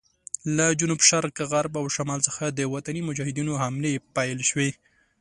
له جنوب شرق، غرب او شمال څخه د وطني مجاهدینو حملې پیل شوې.